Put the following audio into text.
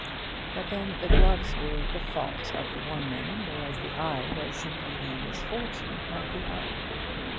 But then the gloves were the fault of the one man, whereas the eye was simply the misfortune of the other.